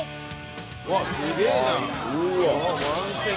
うわっすげえじゃん。